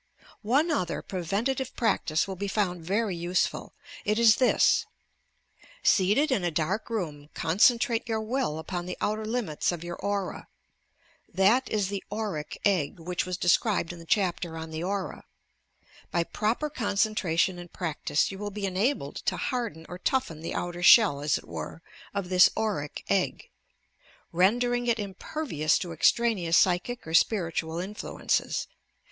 One other preventative practice will be found very useful. It is this: Seated in a dark room, concentrate your will upon the outer limits of your aura — that is the "auric egg" which was described in the chapter on I i YOUR PSYCHIC POWERS the aura. By proper concentration and practise you will be enabled to harden or toughen the outer shell, as it were, of this auric egg, — rendering it impervious to extraneous psychic or spiritual influences.